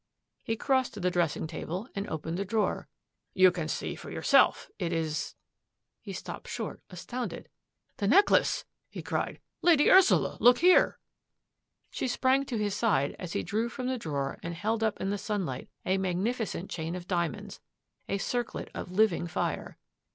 He crossed to the dressing table and opened the drawer. " You can see for yourself it is —^" He stopped short, as tounded. " The necklace !" he cried. " Lady Ursula, look here !" She sprang to his side as he drew from the drawer and held up in the sunlight a magnificent chain of diamonds — a circlet of living fire.